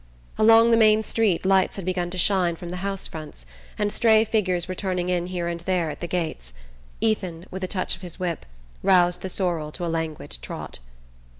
Along the main street lights had begun to shine from the house fronts and stray figures were turning in here and there at the gates. Ethan, with a touch of his whip, roused the sorrel to a languid trot.